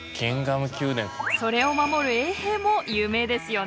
それを守る衛兵も有名ですよね。